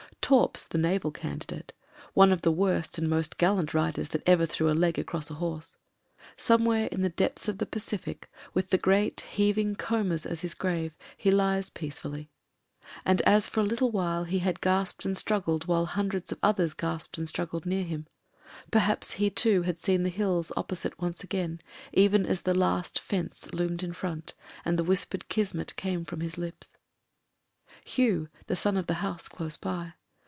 Torps — ^the naval candidate: one of the worst and most gallant riders that ever threw a leg across a horse. Somewhere in the depths of the Pacific, with the great heaving combers as his grave, he lies peace fully; and as for a little while he had gasped and struggled while hundreds of others gasped and strug gled near him — ^perhaps he, too, had seen the hills opposite once again even as the Last Fence loomed in front and the whispered Kismet came from his lips Hugh — ^the son of the house close by.